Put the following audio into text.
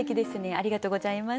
ありがとうございます。